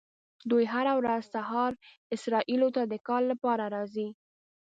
دوی هره ورځ سهار اسرائیلو ته د کار لپاره راځي.